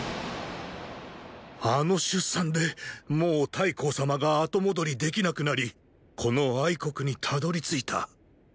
あの出産でもう太后様が後戻りできなくなりこの国に辿り着いた。